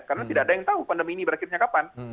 karena tidak ada yang tahu pandemi ini berakhirnya kapan